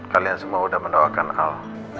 kalian semua udah mendawakan al